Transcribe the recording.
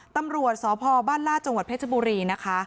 ตำรวจสพบ้านลาดจังหวัดเพชรบุรีนะคะ